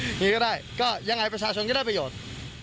อย่างนี้ก็ได้ก็ยังไงประชาชนก็ได้ประโยชน์